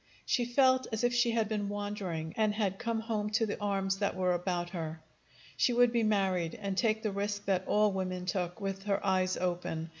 She felt as if she had been wandering, and had come home to the arms that were about her. She would be married, and take the risk that all women took, with her eyes open.